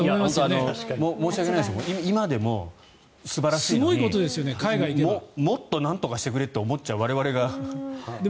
本当に申し訳ないですけど今でも素晴らしいのにもっとなんとかしてくれって思っちゃう我々がいけないのかな。